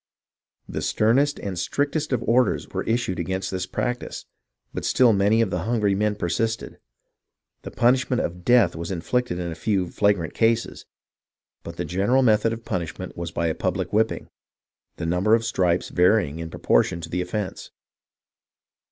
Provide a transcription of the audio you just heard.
The sternest and strictest of orders were issued against this practice, but still many of the hungry men persisted. The punishment of death was inflicted in a few flagrant cases, but the general method of punishment was by a public whipping, the number of stripes varying in proportion to the offence.